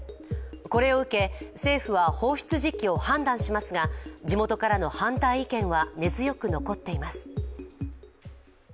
これを受け、政府は放出時期を判断しますが地元からの反対意見は根強く残っています。